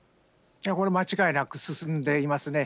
これ間違いなく進んでいますね。